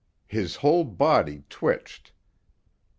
His whole body twitched.